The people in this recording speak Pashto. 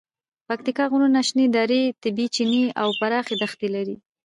پکتیکا غرونه، شنې درې، طبیعي چینې او پراخې دښتې لري.